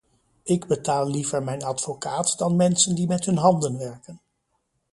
Ik betaal liever mijn advocaat dan mensen die met hun handen werken.